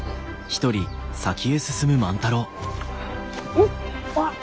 おっあっ！